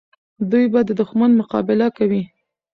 دوی به د دښمن مقابله کوي.